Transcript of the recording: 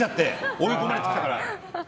追い込まれてきたから。